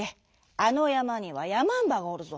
あのやまにはやまんばがおるぞ。